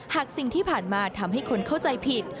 สิ่งที่ผ่านมาทำให้คนเข้าใจผิด